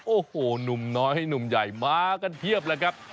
โอ้โหหนุ่มน้อยหนุ่มใหญ่มากันเพียบเลยครับ